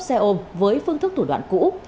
xe ôm với phương thức thủ đoạn cũ